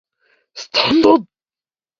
スタンド